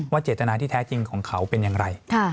เจตนาที่แท้จริงของเขาเป็นอย่างไร